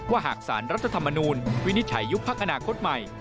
หากสารรัฐธรรมนูลวินิจฉัยยุบพักอนาคตใหม่